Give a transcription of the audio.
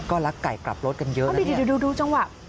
ก็ลักไก่กลับรถกันเยอะดูจังหวะ